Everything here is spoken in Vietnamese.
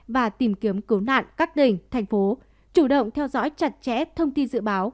và tìm kiếm cứu nạn các tỉnh thành phố chủ động theo dõi chặt chẽ thông tin dự báo